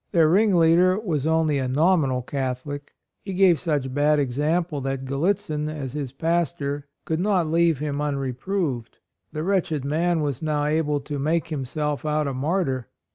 Their ringleader was only a nominal Catholic ; he gave such bad example that Gallitzin, as his pastor, could not leave him unreproved. The wretched man was now able to make himself out a martyr.